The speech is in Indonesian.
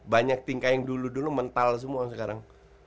banyak tingkah yang dulu dulu mental semua sekarang